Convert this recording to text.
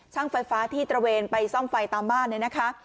ไฟฟ้าที่ตระเวนไปซ่อมไฟตามบ้านเนี่ยนะคะ